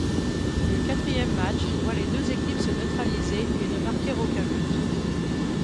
Le quatrième match voit les deux équipes se neutraliser et ne marquer aucun but.